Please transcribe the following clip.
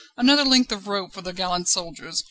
another length of rope for the gallant soldiers.